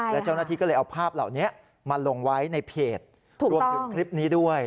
และเจ้าหน้าที่ก็เลยเอาภาพเหล่านี้มาลงไว้ในเพจรวมถึงคลิปนี้ด้วย